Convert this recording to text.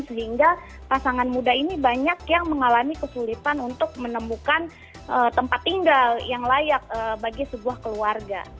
sehingga pasangan muda ini banyak yang mengalami kesulitan untuk menemukan tempat tinggal yang layak bagi sebuah keluarga